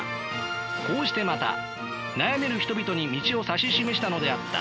こうしてまた悩める人々に道を指し示したのであった。